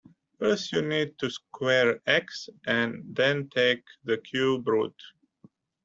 First you need to square x, and then take the cube root.